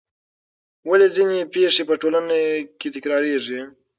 ولې ځینې پېښې په ټولنه کې تکراریږي؟